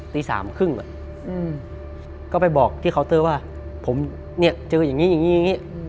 ตี๓๓๐ก็ไปบอกที่เคาน์เตอร์ว่าผมเนี่ยเจออย่างนี้อย่างนี้